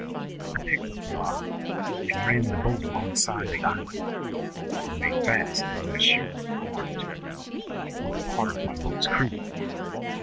I picked up the bottle and ran the boat alongside the island, and made fast and went ashore armed, with a part of my boat's crew.